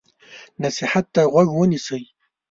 نصیحت ته غوږ ونیسئ.